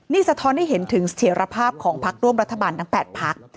นี่สะท้อนให้เห็นถึงเสถียรภาพของพักร่วมรัฐบาลทั้ง๘พัก